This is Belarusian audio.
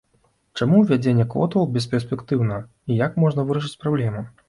Чаму ўвядзенне квотаў бесперспектыўна, і як можна вырашыць праблему?